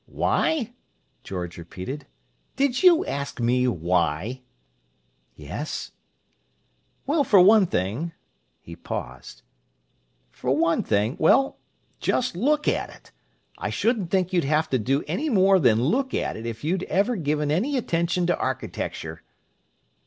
"Why?" George repeated. "Did you ask me why?" "Yes." "Well, for one thing—" he paused—"for one thing—well, just look at it! I shouldn't think you'd have to do any more than look at it if you'd ever given any attention to architecture."